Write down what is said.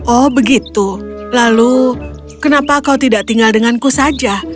oh begitu lalu kenapa kau tidak tinggal denganku saja